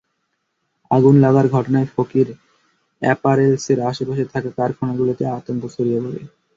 আগুন লাগার ঘটনায় ফকির অ্যাপারেলসের আশপাশে থাকা কারখানাগুলোতে আতঙ্ক ছড়িয়ে পড়ে।